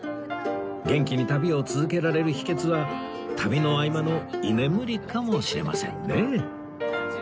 元気に旅を続けられる秘訣は旅の合間の居眠りかもしれませんね